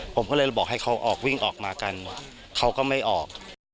ผมก็เลยบอกให้เขาออกวิ่งออกมากันเขาก็ไม่ออก